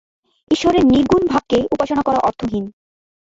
ঈশ্বরের নির্গুণ ভাবকে উপাসনা করা অর্থহীন।